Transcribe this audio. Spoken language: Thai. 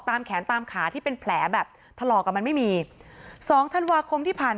ตามแขนตามขาที่เป็นแผลแบบทะลอกมันไม่มี๒ธันวาคมที่ผ่าน